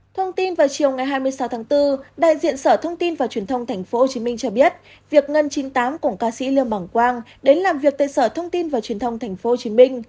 thông tin vào chiều ngày hai mươi sáu tháng bốn đại diện sở thông tin và truyền thông tp hcm cho biết việc ngân chín mươi tám cùng ca sĩ lương bằng quang đến làm việc tại sở thông tin và truyền thông tp hcm